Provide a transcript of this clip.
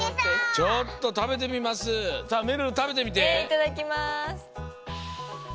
いただきます。